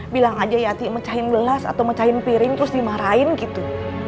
bilang aja yati mecahin gelas atau mecahin piring terus dimarahin gitu